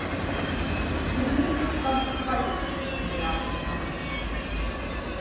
Тик мин ҡушҡан Хатико исемен генә оҡшатманы.